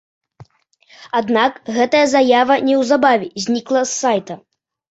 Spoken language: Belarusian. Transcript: Аднак гэтая заява неўзабаве знікла з сайта.